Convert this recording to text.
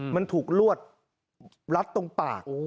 มันถูกลวดรัดตรงปาก